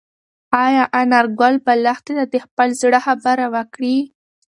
ایا انارګل به لښتې ته د خپل زړه خبره وکړي؟